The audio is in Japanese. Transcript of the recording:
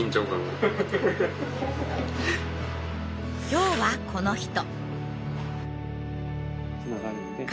今日はこの人。